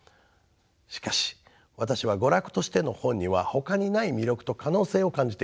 しかし私は娯楽としての本にはほかにない魅力と可能性を感じています。